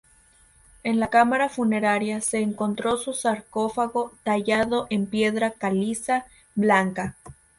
En la cámara funeraria se encontró su sarcófago tallado en piedra caliza blanca.